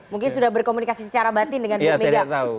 mungkin sudah berkomunikasi secara batin dengan bimega